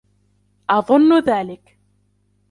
أظن ذلك.